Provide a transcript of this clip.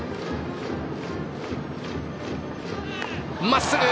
まっすぐ！